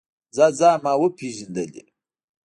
ځه ځه ما وپېژندلې.